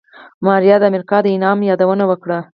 ماريا د امريکا د انعام يادونه وکړه.